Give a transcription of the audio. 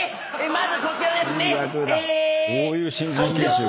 まずこちらですね。